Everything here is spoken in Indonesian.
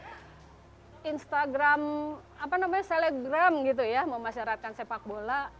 kemudian juga bisa berkarir sebagai instagram apa namanya selegram gitu ya memasyaratkan sepak bola